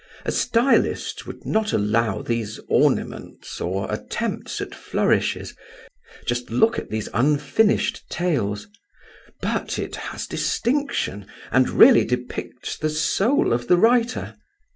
A stylist would not allow these ornaments, or attempts at flourishes—just look at these unfinished tails!—but it has distinction and really depicts the soul of the writer.